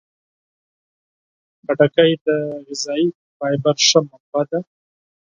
خټکی د غذايي فایبر ښه منبع ده.